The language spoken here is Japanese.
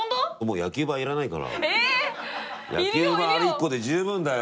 野球盤１個で十分だよ。